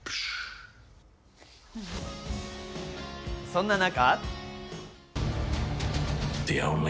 そんな中。